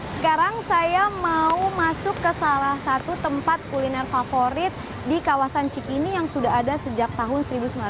sekarang saya mau masuk ke salah satu tempat kuliner favorit di kawasan cikini yang sudah ada sejak tahun seribu sembilan ratus sembilan puluh